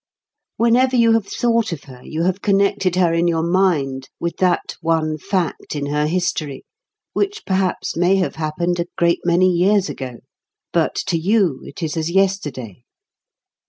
Whenever you have thought of her, you have connected her in your mind with that one fact in her history, which perhaps may have happened a great many years ago. But to you, it is as yesterday.